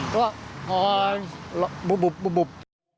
ก็ว่าบุ๊บ